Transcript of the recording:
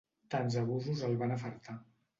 Tants abusos el van afartar.